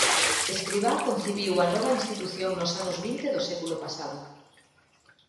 Escrivá concibiu a nova institución nos anos vinte do século pasado.